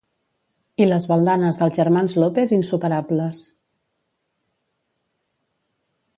I les baldanes dels germans López insuperables